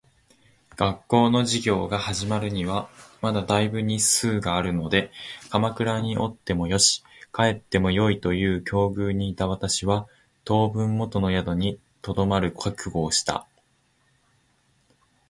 学校の授業が始まるにはまだ大分日数があるので鎌倉におってもよし、帰ってもよいという境遇にいた私は、当分元の宿に留まる覚悟をした。